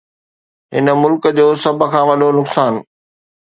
هن ملڪ جو سڀ کان وڏو نقصان